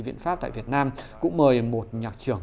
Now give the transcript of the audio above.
viện pháp tại việt nam cũng mời một nhạc trưởng